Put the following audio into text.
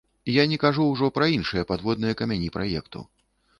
Я не кажу ўжо пра іншыя падводныя камяні праекту.